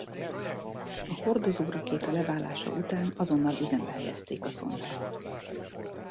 A hordozórakéta leválása után azonnal üzembe helyezték a szondát.